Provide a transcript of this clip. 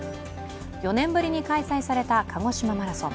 ４年ぶりに開催された鹿児島マラソン。